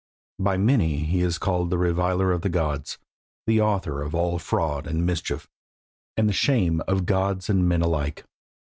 By many he is called the reviler of the gods, the author of all fraud and mischief, and the shame of gods and men alike.